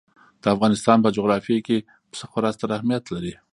د افغانستان په جغرافیه کې پسه خورا ستر اهمیت لري.